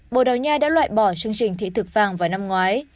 bộ đầu nha đã loại bỏ chương trình thị thực vàng vào năm ngoái